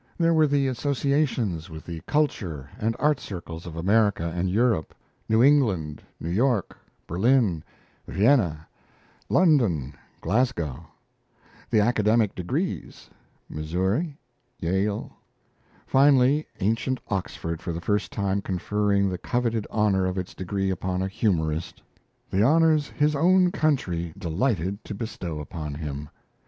There were the associations with the culture and art circles of America and Europe New England, New York, Berlin, Vienna, London, Glasgow; the academic degrees Missouri, Yale; finally ancient Oxford for the first time conferring the coveted honour of its degree upon a humorist; the honours his own country delighted to bestow upon him.